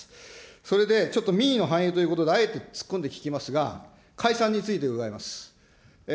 それで、ちょっと民意の反映ということで、あえて突っ込んで聞きますが、解散について伺います。